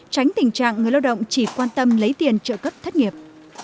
tránh tình trạng người lao động chỉ quan tâm lấy tiền trợ cấp thất nghiệp